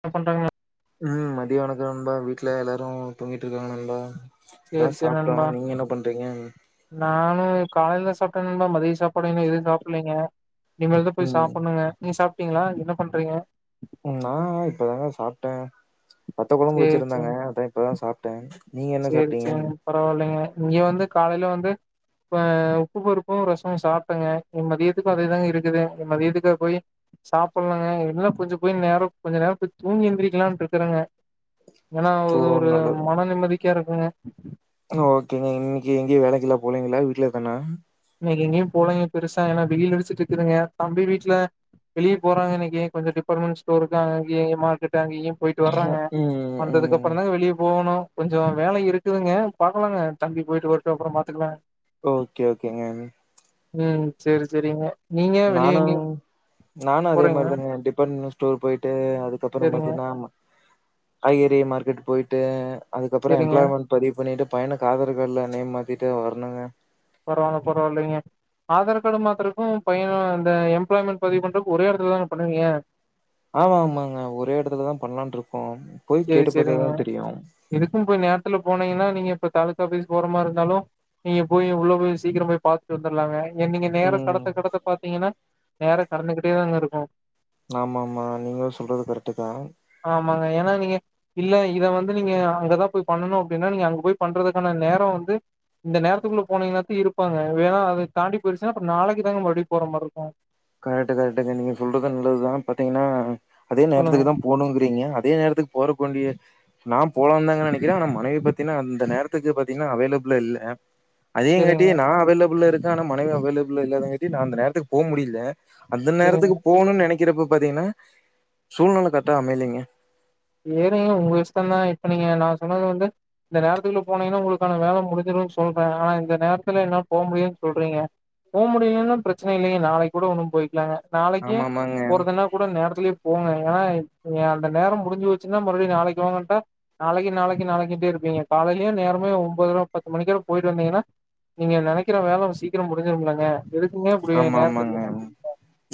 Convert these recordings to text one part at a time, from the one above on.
என்ன பண்றாங்க ம் மத்தியா வணக்கோ நண்பா வீட்டுல எல்லாரு தூங்கிட்டு இருக்காங்க நண்பா இப்பதா சேரி சேரி சாப்ட்டோ நண்பா நீங்க என்ன பண்றீங்க நான் அ காலையில் தா சாப்டே நண்பா மதிய சாப்பாடு இன்னு எதுவு சாப்பிட்லேங்க இனிமேல்தான் போய் ம் சாப்பிடணுங்க நீங்க சாப் கீங்ளா என்ன பண்றீங்க நா இப்பதாங்க சாப்ட்டே வத்த கொழம்பு சேரி வச்சிருந்தாங்க அதா இப்பதா சாப்ட்டே நீங்க என்ன சேரி சாப்ட்டீங்க சேரி பரவாயில்லைங்க இங்க வந்து காலைல வந் து இப்ப உப்பு பருப்பும் ரசோ சாப்ட்டங்க இனி மதியத்துக்கு அதேதாங்க இருக்குது மதியத்துக்கா போயி சாப்புட்லங்க என்ன கொஞ்சோ போயி நேரம் கொஞ்ச நேரம் போய் தூங்கி எந்திரிக்கலான்னு இருக்றங்க ஏன்னா ஓ அது ஒரு நல்லது மன நிம்மதி யாருக்குங்க ஓகேங்க இன்னக்கி எங்கையு வேலைக்கிலா போலீங்களா வீட்ல தானா இன்னைக்கி எங்கயு போலங்க பெருசா ஏன்னா வெயில் அடிச்சிட்ருக்குதுங்க தம்பி வீட்ல வெளியே போறாங்க இன்னக்கி கொஞ்சோ டிபார்ட்மென்ட் ஸ்டோருக்கு அங்கேயே மார்கெட் ட்டு அங்க இங்கயு போயிட்டு வர்றாங்க ம் வந்ததுக்கு ம் அப்றந்தாங்க வெளியே போகணு கொஞ்சோ வேல இருக்குதுங்க பாக்கலாங்க தம்பி போயிட்டு வரட்டு அப்றோ பாத்துக்லா ஓகே ஓகேங்க ம் சேரி சேரிங்க நீங்க வெளிய நானு எங்கயு நானு அதே போறீங்க மாரி தானுங்க டிபார்ட்மெண்ட் ஸ் ஸ்டோர் போயிட் ட்டு அதுக்கப்பற சேரிங்க பாத்தீங்னா காய்கறி மார்க்கெட் போயிட்டு அதுக்கப்பற சேரிங்க எம்ப்ளாய்மெண்ட் பதிவு பண்ணிட்டு பையனுக்கு ஆதார் கார்டுல நேம் மாத்திட்டு வரணுங்க பரவாயில்ல பரவாயில்லைங்க ஆதார் கார்டு மாத்றதுக்கு பையனோ இந்த எம்ப்ளாய்மெண்ட் பதிவு பண்றதுக்கு ஒரே எடத்துலதான பண்ணுவீங்க ஆமா ஆமாங்க ஒரே எடத்துலதா பண்லான்னு இருக்கோ சேரி சேரிங்க எதுக்கு போய் நேரத்துல போனீங்கன்னா நீங்க இப்ப தாலுகா ஆபீஸ் போற மாரி இருந்தாலு நீங்க போய் உள்ள போய் சீக்கிரம் போய் பாத்துட்டு வந்துற்லாங்க இங்க நீங்க நேரங் ம். கடத்த கடத்த பாத்தீங்கன்னா நேரங் கடந்துகிட்டேதாங்க இருக்கு ஆமாமா நீங்களு சொல்றது கரெக்ட்டு தா ஆமாங்க ஏன்னா நீங்க இல்ல இத வந்து நீங்க அங்கதா போய் பண்ணணு அப்டின்னா நீங்க அங்க போய் பண்றதுக்கான நேர வந்து இந்த நேரத்துக்குள்ள போனீங்கன்னாத்தா இருப்பாங்க ஏன்னா அதத் தாண்டி போயிருச்சுன்னா அப்ப நாளைக்கி தாங்க மறுபடியு போற மாரி இருக்கு கரெக்ட்டு கரெக்ட்டுங்க நீங்க சொல்றது நல்லதுதா பாத்தீங்கனா அதே சொல்லுங்க நேரத்துக்குதா போணுங்கிறீங்க அ அதே நேரத்துக்கு போறக்கு வேண்டிய நா போலான்னுதாங்க நெனைக்கிறே ஆனா மனைவி பத்தீங்னா அந்த நேரத்துக்கு பாத்தீங்னா அவைலபிள்லா இல்ல அதேங்காட்டி சேரிங்க நா அவைலபிள்லா இருக் க்க ஆனா மனைவி அவைலபிள் இல்லாதங்காட்டி நா அந்த நேரத்துக் போ முடில அந்த சேரிங்க நேரத்துக்கு போணுன்னு நெனைக் ருக்கிறப்ப பாத்தீங்கன்னா சூழ்நிலை கரட்டா அமையலங்க ஏறீங்க உங்க இஷ்டந்தான் இப்ப நீங்க நான் சொன்னது வந்து இந்த நேரத்துக்குள்ள போனீங்கன்னா உங்களுக்கான வேல முடிஞ்சிடும்ன்னு சொல்றே ஆனா இந்த நேரத்துல என்னால போக முடியலன்னு சொல்றீங்க போக முடியலன்னும் பிரச்சனை இல்லங்க நாளைக்கு கூட ஒன்னும் போயிக்கலாங்க நாளைக்கி ஆமாமாங்க. ஒரு தன்னா கூட நேரத்துலேயே போங்க ஏன்னா அந்த நேரம் முடிஞ்சு வச்சுன்னா மறுபடி நாளைக்கு வாங்கட்டா நாளைக்கு நாளைக்கு நாளைக்குிட்டே இருப்பீங்க காலையய நேமே ஒபதுூப பத்து மணிக்கக்குரட போயிட்டு வந்தீங்கன்னா நீங்க நினைக்கற வேலை சீக்கிரம் முரிஞ்சிரும்லங்க ஆமா ஆமாங்க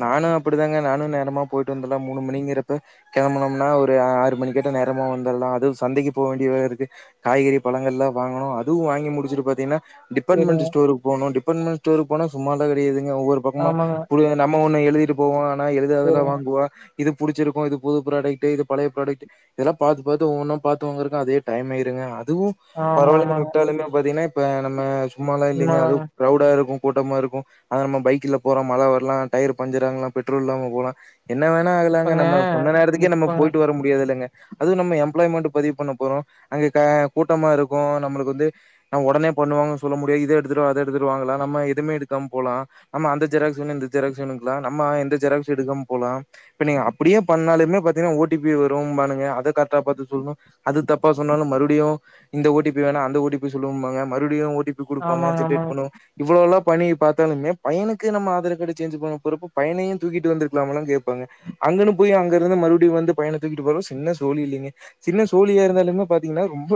நானும் அப்படிதாங்க நானும் நேரமா போயிட்டு வந்தடலாம் மூணு மணிங்கிறப்ப கிளம்பனோம்னா ஒரு ஆறு மணி கட்ட நேரமாக வந்துடலாம் அதுவும் சந்தைக்கு போக வேண்டிய இருக்கு காய்கறி பழங்கள்லாம் வாங்கணும் அதுவும் வாங்கி முடிச்சுட்டு பார்த்தீங்கன்னா சேரிங்க டிபார்ட்மெண்ட் ஸ்டோருக்கு போனும் டிபார்ட்மெண்ட் ஸ்டோர் போன சும்மா க்கறியது ஒவ்வொரு பக்கமா ஆமாங்க நம்ம ஒண்ணு எழுட்டு போவ எழுததுலாம் சேரிங்க வாங்குவா இது புிடிச்சிருக்கும் இது பு்ராடக்ட் இது பழைய ப்ராடக்ட் இதெல்லாம் பாரத்து பார்த்த ஒன்னும் ப்த்தத்துவங்க இருக்கும் அதே டைம்யிருடுங்க ஆமா பரவால்லனா ஆமாங்க விட்டாலுமே பாத்தீங்கன்னா நம்ம சும்மாலாம் இல்லைங்க உண்மதாங்க அதுவும் கிரவுடா இருக்கும் கூட்டமா இருக்கும் அன நம்ம பைக்ல போறோம் மழை வரலாம் டயர் பஞ்சர் ஆகலாம் பெட்ரோல் இல்லாம போலாம் என்ன வேணா ஆகலாங்க இப்பங்க நம்ம சொன்ன நேரத்துக்கே நம்ம இப்பங்க போயிட்டு வர முடியாது இல்லங்க அதுவும் நம்ம எம்ப்ளாய்மெண்ட் பதிவு பண்ண போறோம் அங்க கூட்டமா இருக்கும் நம்மளுக்கு வந்து உடனே பண்ணுவாங்கன்னு சொல்ல முடியாது இது எடுத்துட்டு வா அது எடுத்துட்டு வாங்கலாம் நம்ம எதுவுமே எடுத்துட்டு போலாம் அந்த ஜெராக்ஸ் வேணும் இந்த ஜெராக்ஸ் வேணுங்களா ஆனா நம்ம இந்த ஜெராக்ஸ் எடுக்காம போலாம் அப்படியே பண்ணாலும் பார்த்தீங்கன்னா ஓடிபி வரும் பண்ணுது அது கரெக்டா பாத்து சொல்லணும் அது தப்பா சொன்னாலும் மறுபடியும் இந்த ஒடிபி வேணா அந்த ஒட்டிபி சொல்லுங்கவாங்க மறுபடியும் கொடுப்பாங்க ஆமாங்க ஜென்ரேட் ஆமாங்க பண்ணும் இவளோ உள்ள பணியை பார்த்தாலுமே பையனுக்கு நம்ம ஆதார் கார்டு சேஞ்ச் பண்ண போறப்ப பையனையும் தூக்கிட்டு வந்திருக்கலாமலாம் கேட்பாங்க அங்கன்னு போய் அங்க இருந்து மறுபடியும் வந்து பையனை தூக்கிட்டு போறலம் சின்ன சோழி இல்லைங்க சின்ன சோழியா இருந்தாலுமே பாத்தீங்கன்னா ரொம்ப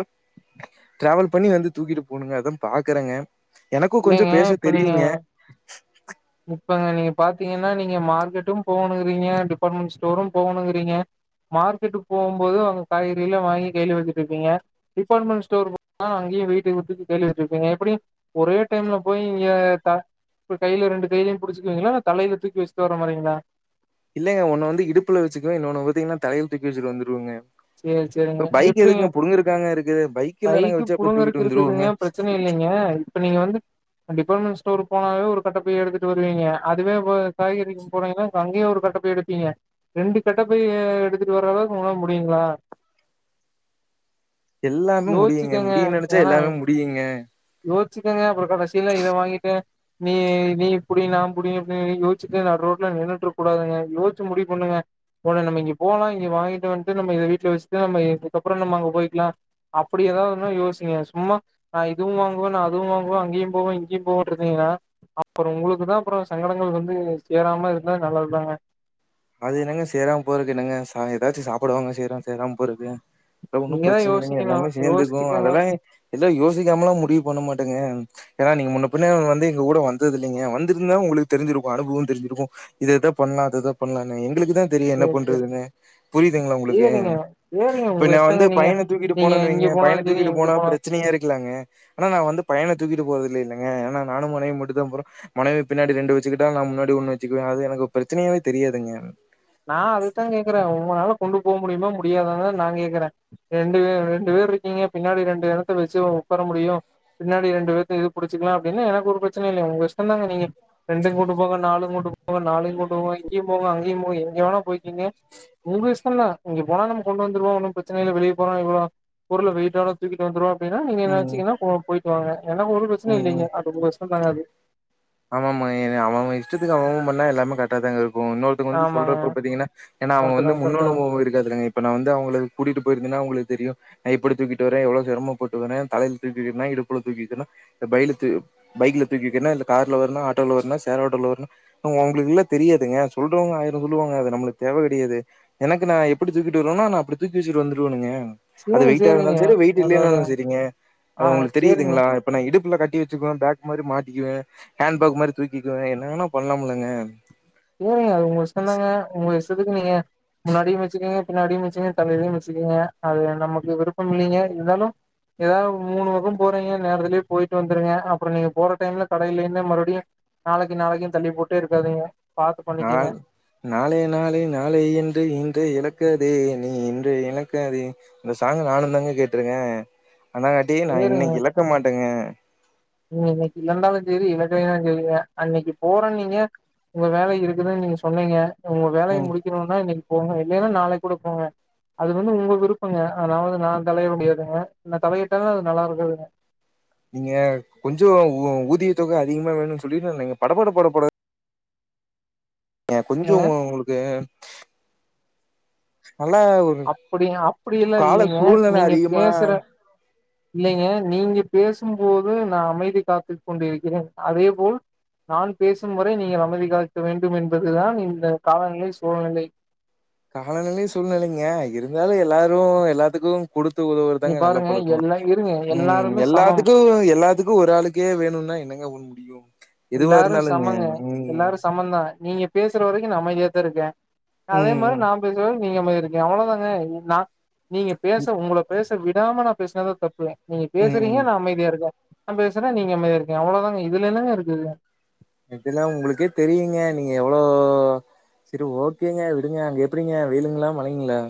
டிரராாவல் பண்ணி வந்து தூக்கிட்டு போகுங்க அததான் பாக்குறேங்க எனக்கும் கொஞ்சம் இல்லைங்க பேச இப்ப நீங்க இப்பங்க நீங்க பாத்தீங்கன்னா நீங்க மார்க்கெட்டும் போகணுங்கிறீங்க டிபார்ட்மெண்ட் ஸ்டோரும் போகணுங்கிறீங்க மார்க்கெட்டுக்கு போகும்போது அங்க காய்கற எல்லாம் வாங்கி கேள்வி வச்சட்டு இருப்பீங்க டிபார்ட்மெண்ட் ஸ்டோர் அங்கேயும் வீட்டுக்கு விட்டு கேள்வி வச்சிருப்பீங்க எப்படி ஒரே டைம்ல போய் இங்க கையில ரெண்டு கையிலயையும் புடிச்சுக்குவீங்களா தலையில தூக்கி வச்சுட்டு வர மாதிரிங்களா இல்லங்கன்னு வ இடுப்புல வச்சுக்க இன்னொன்னு பாத்தீங்கன்னா தலையில் தூக்கி வச்சுட்டுந்துருவங்க சரி சரிங்க எப்படிங்க இருக்குது. பைக்ல நாங்க பைக்கு வச்சு அப்படியே தூக்கிட்டு புடுங்கறக்கு வந்துருவோங்க. இருக்குதுங்க பிரச்சனை இல்லைங்க இப்ப நீங்க வந்து டிபார்ட்மெண்ட் ஸ்டோர் ஊருக்கு போனாவே ஒரு கட்டப்பை எடுத்துட்டு வருவீங்க காய்கறி வாங்க போனீங்கன்னா அங்கேயும் ஒரு கட்ட போயிட்டு வருவீங்க ரெண்டு கட்டப்பை எடுத்துட்டு வர அளவுக்கு உங்களால முடியுமா அப்படிங்களா எல்லாமே முடியுங்க முடியும்னுு நினைச்சா எல்லாமே முடியுங்க யோசச்சிக்கங்க அப்புறம் கடைசியல்லாம் இத வாங்கிட்டேன் நீ நீ புடி நான் புடிப்ப யோசச்சு ந ரோட்ல நின்னுட்டு கூடாதுங்க யோிச்சு முடி பண்ணுங்க போன நம்ம இங்க போலாம் இங்க வாங்கிட்ட வந்துட்டு நம்ம வீட்டல வச்சுட்டு நம்ம இதுக்கறம் நம்ம அங்க போயிக்கலாம் அப்படி ஏதாவதுும் யோசச்சிக்கங்க சும்மா இதுவும் வாங்குவேன் நான் அதுவும் வாங்குவேன் அங்கேயும் போவேன் இங்கேயும் போவ இருந்தீங்கன்னா அப்புறம் உங்களுக்கு தான் அப்புறம் சங்கடங்கள் வந்து சேராம இருந்த நல்லாிருறாங்க அது என்னங்க சேரா போறக்கு என்னங்க ச ஏதாச்சும் சாப்படுவாங்க சேறான் சேரா போறக்கு எாம் ஒன்னு நீங்க தா பிரச்சன இல்லைங்க யோசிக்கணு எல்லாமே சேர்ந்துக்கு யோசிச்சுக்கங்க அதெல்லா எத யோசிக்காமல்லா முடிவு பண்ண மாட்டேங்க ஏன்னா நீங்க முன்ன பின்ன வந்து எங்க கூட வந்தது இல்லைங்க வந்திருந்தா உங்களுக்கு தெரிஞ்சிருக்கு அனுபவ தெரிஞ்சிருக்கு இதது எதா பண்ணலா அத பண்ணனா யெங்களுக்கு அதா தெரியு என்ன சேரி சேரி பண்றதுன்னு புரியுதுங்ளா உங்ளுக்கு சேரிங்க சேரிங்க உங்க பின்னவந்து இஷ்டங்க நீங்க பயன தூக்கிட்டு நீங்க இங்க போனன்வைங்க போனாலு சரி தூக்கிட்டு எங்க போனா போனாலு பிரச்சனயாருக்ளங்க ஆனா நா வந்து பயன தூக்கிட்டு போறதில்லல ன்னா நானு மனைவி மட்டுதா போறோ மனவி பின்னாடி ரெண்டு வச்சுக்கிட்டா நா முன்னாடி ஒண்ணு வச்சுக்குவே அது யெனக்கு பிரச்சனயாவே தெரியாதுங்க நா அதுக்தா கேக்குறே உங்களால கொண்டு போவமுடிமா முடியாததா நா கேக்குறே ரெண்டு பேர் ரெண்டு பேருரிக்கீங்க பின்னாடி ரெண்டு யெடத்த வச்சு உக்கார முடியு பின்னாடி ரெண்டு பேரத்த இது பிடிச்சிகளா அப்டின்னு எனக்கு ஒரு பிரச்சனையில்ல உங்க இஷ்டந்தாங்க நீங்க ரெண்டய்ம் கூட்டு போங்க நாலு கூட்டு போங்க நாலயும் கூப்பட்டு போங்க இங்கேயும் போங்க அ [unintelligible] ங்க வேணாபோயிக்கிங்க உங்கயிஸ்டந்தா இங்க போனா நம கொண்டு வந்ருவோ ஒன்னு பிரச்சனையில்ல வெளிய போனா இவ்ளோ பொருள வெயிட்டால தூக்கிட்டு வந்த்ருவோ வேனா நீங்க யன்ன ம் வச்சீங்கன்னா போ போயிட்டு வாங்க யெனக் ஒரு பிரச்சனல்லிங்க அது உங்க யிஸ்டந்தாங்க அது ஆமா மா இது அவ அவ இஷ்டத்துக்கு அவ வ பண்ணா எல்லாமே கரக்ட்டாதாங்க இருக்கு இப்ப இன்னொருத்தவங்க வந்து ஆமாங்க சொல்றப்ப பாத்தீங்கனா ஏனா அவங்க கரெக்ட்டுதா வந்து கரெக்ட்டுதா முன்னனுபவ இருக்காதுலங்க இப்ப நா வந்து அவங்கள கூட்டிட்டு போயிருந்தேனா அவங்கள தெரியும் நா இப்டி தூக்கிட்டு வறே எவ்ளவு சிரம பட்டு வரே தலய் ல தூக்கிகினு இடுப்ல தூக்கிட்டுனா பைல தூ பைக்ல தூக்கிகினா கார்ல வரணா ஆட்டோல வரணா சேர் ஆட்டோல வரனா உங்களுக்குல்ல தெரியாதுங்க சொல்றவங்க ஆயிரம் சொல்லுவாங்க அது நம்ளுக்கு தேவ கெடையாது எனக்கு ந எப்படி தூக்கிட்டு வரனோ நா அப்டி தூக்கி வச்ட்டு வந்துருவேனுங்க அது சேரி வெயிடிட்டா சேரிங்க இருந்தாலு சரி வெயிட் அதா அதா யில்லனாலு சரிங்க ஆ அது உங்ளுக்கு சேரிங்க தெரியுதுங்களா இப்ப இடுப் ல கட்டி வச்சக்வே பேக் மாரி மாட்டிக்வே ஹேண்ட்பேக் மாரி தூக்கிக்குவே என்னவேனா பண்ணலாம்லங்க சேரிங்க அது உங்கயிஸ்டந்தாங்க உங்கயிஸ்டதுக்கு நீங்க முன்னாடியு வச்சுக்கீங்க பின்னாடியு வச்சுக்கீங்க தலலேயு வச்சுக்கீங்க அது நமக்கு விருப்பமில்லிங்க இருந்தாலு ஏதாவது மூணு பக்கம் போறீங்க நேரத்லேயே போயிட்டு வந்துருங்க அப்புறம் நீங்க போற டைம்ல கடையி இல்லேனா மறுடியு நாளைக்கு நாளைக்குனு தள்ளி போட்டே இருக்காதீங்க பாத்து பண்ணிக்கங்க நாள் நாளே நாளே நாளயென்று இன்றே இழக்க தே நீ இன்ற இழக்காதே இந்த சாங் நானுந்தாங்க கேட்ருக்கே ஆனாகாட்டி நா இன்னைக்கு இழக்க மாட்டேங்க யின்னக்கு இழந்தாலுஞ்சேரி இழக்கலனாலும் சேரிங்க அன்னைக்கு போறேனிங்க உங்க வேலையிருக்குதுன்னு நீங்க சொன்னீங்க உங்க வேலைய ம் முடிக்கணும்னா இன்னைக் போங்க யில்லேனா நாளைக் கூட போங்க அது வந்து உங்க விருப்பங்க அதாவது நா தலயிட முடியாதுங்க நா தலையிட்டாலு அது நல்லாருக்காதுங்க நீங்க கொஞ்ச ஊ ஊதியத்தொகை அதிகமா வேணும்னு சொல்லி [inaudible] படப்பட படப்பட ஏ கொஞ்சோ உங்ளுக்கு ஒரு அப்டி அப்டில்லா கால இல்லிங்க சூழ்நிலை நீங்க அதிகமா பேசுற இல்லைங்க நீங்க பேசும்போது நா அமைதி காத்து கொண்டிருக்கிறே அதேபோல் நான் பேசும் வரை நீங்கள் அமைதி காக்க வேண்டு என்பதுதா இந்த காலநிலை சூழநிலை காலநிலை சூழ்நிலைங்க இருந்தாலு எல்லாரு எல்லாத்துக்கு குடுத்து இங்க உதவுறதாங்க நல்ல பாருங்க பழக்க எல்லா இருங்க உம் எல்லாருமே சமம். யெல்லாத்துக்கு யெல்லாத்துக்கு ஒரு ஆளுக்கே வேணுனா யென்னங்க ஸ்டுடியோ எல்லாரு சமங்க எல்லாரு சமந்தா நீங்க பேச க்குற வரைக்கு நா அமைதியாதா இருக்கே அதே மாரி ம் நா பேசுரவரைக் நீங்க மாதிரி இருக்கீங்க அவ்வளோதாங்க நா நீங்க பேச உங்கள பேஸ் விடாம நா பேசுனதா தப்பு நீங்க பேசுறீங்க ம் நா அமைதியா இருக்கே நா பேசுறே நீங்க அமைதியா இருக்கீங்க அவ்ளோதாங்க இதுல என்னங்க இருக் உம் இதெல்லா உங்களுக்கே தெரியுங்க நீங்க எவ்ளோ செரி ஓகேங்க விடுங்க அங்க எப்டிங்க வெயிலுங்களா மழங்களா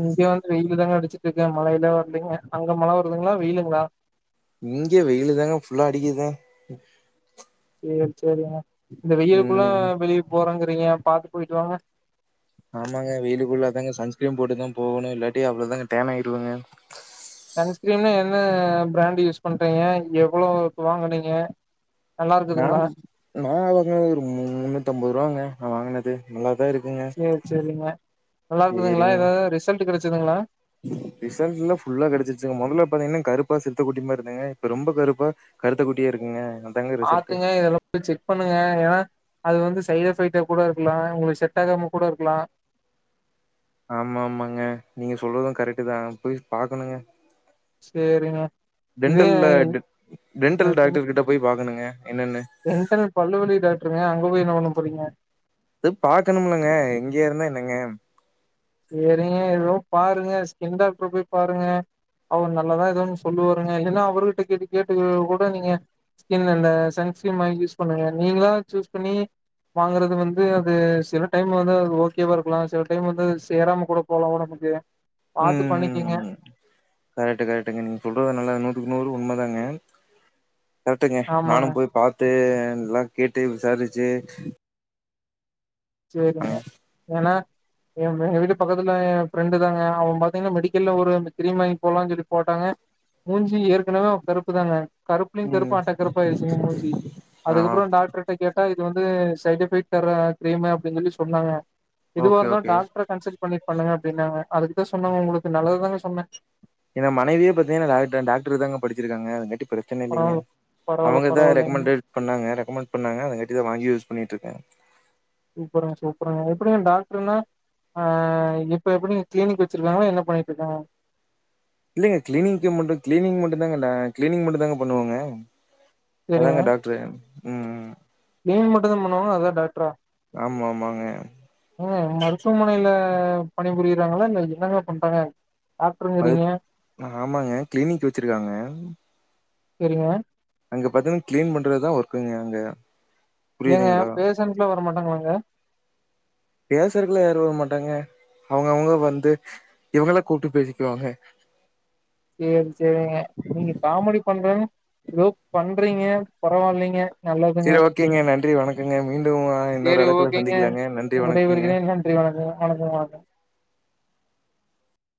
இங்க வந்து வெயிலு தாங்க அடிச்சிட்டு இருக்கு மழையெலா வரலங்க அங்க மழ வருதுங்களா வெயிலுங்களா இங்க வெயிலு தாங்க ஃபுல்லா அடிக்குது சேரி சேரிங்க இந்த வெயிலுக்குல்லா ம் வெளிய போறாங்க நீங்க பாத்து போயிட்டு வாங்க ஆமாங்க வெயிலுக்குள்ள தாங்க சன்ஸ்கிரீம் போட்டுதா போகணு இல்லாட்டி அவ்ளோதாங்க ஃடேன் ஆயிடுவங்க சன்ஸ்கிரீம்னா என்ன ஃப்ராண்ட் யூஸ் பண்றீங்க எவ்ளோக்கு வாங்குனீங்க நல்லா இருக்குதுங்களா நாம் நா ஒரு முன்னுத்தம்பது ரூவாங்க நா வாங்குனது நல்லாரு சேரி சேரிங்க நல்லா இருக்குதுங்களா எதாவது ரிசல்ட் ட்டு கெடச்சுதுங்களா ரிசல்ட் எல்லாம் புல்லா கெடச்சுணருச்சுங்க மொதல்ல பாத்தீங்கன்னா கருப்பா சிறுத்த குட்டி மாரி இருந்தங்க இப்ப ரொம்ப கருப்பா கருத்த குட்டியா இருக்கேங்க பாத்துங்க இதெல்லா கொணண்ட செக் பண்ணுங்க ஏன்னா அது வந்து சைட் எஃபெக்ட்டா கூட இருக்கலா உங்களுக்கு செட் ஆகாம கூட இருக்கலா ஆமா ஆமாங்க நீங்க சொல்றதும் கரெக்டுதா போய் பாக்கணுங்க சேரிங்க இதே டென்டல்ல டென் டென்டல் டாக்டருகிட்ட போய் பாக்கணுங்க என்னன்னு டென்டல் பல்லுவலி டாக்டருங்க அங்க போய் என்ன பண்ண போறீங்க இது பாக்கணுமுல்லங்க இங்கேயே இருந்தா என்னங்க சேரிங்க எதுவு பாருங்க ஸ்கின் டாக்டர போய் பாருங்க அவரு நல்லதா எதோ ஒன்னு சொல்லுவாருங்க இல்லன்னா அவரணுகிட்ட கேட்டு கேட்டு கூட நீங்க ஸ்கின் அந்த சன்ஸ்கிரீம் வாங்கி யூஸ் பண்ணுங்க நீங்களாம் சூஸ் பண்ணி வாங்குறது வந்து அது சில டைம் வந்து அது ஓகேவா இருக்கலா சில டைம் வந்து ஸ் சேராம கூட போகலா ஒடம்புக்கு பாத்து ம் ம் பண்ணிக்கங்க ம் கரெக்ட் கரெக்டங்க நீங்க சொல்றத நல்லா நூத்துக்கு நூறு உண் உண்மதாங்க கரெக்டுங்க ஆமாங்க நானு போய் பாத்து நல்லா கேட்டு விசாரிச்சு செரிங்க ஏன்னா ஏம எ வீட்டு பக்கத்துல ஏ ஃப்ரெண்டு தாங்க அவே பாத்தீங்கன்னா மெடிக்கல்ல ஒரு கிரீம் வாங்கி போடலானு சொல்லி போட்டாங்க மூஞ்சி ஏற்கனவே அவே கருப்பு தாங்க கருப்புலயு ம் கருப்பு ஆட்டா கருப்பாயிடுச்சுங்க மூஞ்சி ஆ அதுக்கப்பறோ டாக்டர்கிட்ட கேட்டா இது வந்து சைட் எஃபெக்ட் தர்ற புரியுமே அப்டின் சொல்லி சொன்னாங்க எதுவா ஓகே இருந்தாலு ஓகே டாக்டர கன்சல்ட் பண்ணி பண்ணுங்க அப்டினாங்க அதுக்குதா சொன்னாங்க உங்களுக்கு நல்லதுதாங்க சொன்ன என மனைவியே பாத்திங்கனா டாக்டர் டாக்டர் தாங்க படிச்சிருக்காங்க மெடி பிரச்சனை இல்லைங்க பரவால்ல பரவால்ல அவங்கதா பரவால்லைங்க ரெக்கமண்டட் பண்ணங்க ரெக்கமெண்ட் பண்ணாங்க அதுங்காட்டிதா வாங்கி யூஸ் பண்ணிட்ரு ங்க சூப்பருங்க சூப்பருங்க எப்படிங்க டாக்டருனா ஆ இப்ப எப்படிங்க கிளினிக் வெச்சிருக்காங்ளா என்ன பண்ணிட்ருக்காங்க இல்லைங்க கிளீனிங்க் மட்டு கிளீனிங் மட்டுந்தாங்க ந கிளீனிங் மட்டுந்தாங்க பண்ணுவாங்க சேரிங்க அதாங்க டாக்டரு ம் ம் கிளீன் மட்டுந்தா பண்ணுவாங்க அதா டாக்டரா ஆமா ஆமாங்க ஏங்க மருத்துவமனையில பணிபுரியறாங்களா இல்ல என்னங்க பண்றாங்க டாக்டருங்கிறீங்க மருத் ஆமாங்க கிளினிக் வெச்சிருக்காங்க செரிங்க அங்க பாத்திங்னா கிளீன் பண்றதுதா ஒர்க்குங்க அங்க எங்க புரியுதுங்களா பேசன்ட்ல வ ர மாட்டாங்ளாங்க பேஷன்ட்லா யாரு வர மாட்டாங்க அவங்க அவங்க வந்து இவங்கலா கூப்டு பேசிக்குவாங்க சேரி சேரிங்க நீங்க காமெடி பண்ற ஏதோ பண்றிங்க பரவாலைங்க செரி ஓகேங்க நன்றி வணக்கங்க மீண்டும் இன்னொரு சேரி அழைப்புல ஓகேங்க சந்திக்கலாங்க நன்றி வணக்கங்க வணக்கங் வணக்கங்